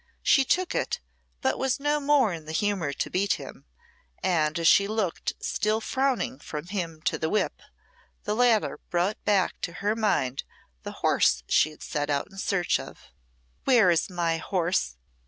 She took it, but was no more in the humour to beat him, and as she looked still frowning from him to the whip, the latter brought back to her mind the horse she had set out in search of. "Where is my horse?"